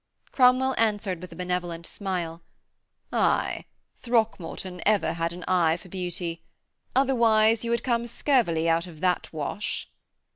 Cromwell answered with a benevolent smile, 'Aye, Throckmorton had ever an eye for beauty. Otherwise you had come scurvily out of that wash.'